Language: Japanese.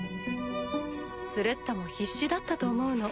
スレッタも必死だったと思うの。